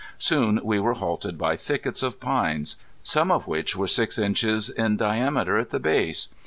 Soon we were halted by thickets of pines, some of which were six inches in diameter at the base.